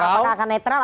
apakah akan netral